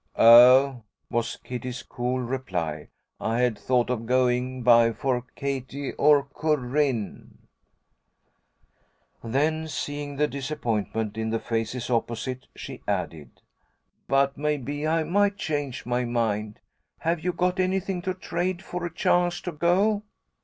"Oh!" was Kitty's cool reply, "I had thought of going by for Katy or Corinne." Then, seeing the disappointment in the faces opposite, she added, "But maybe I might change my mind. Have you got anything to trade for a chance to go?"